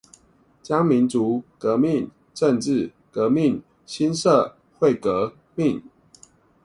將民族革命、政冶革命興社會革命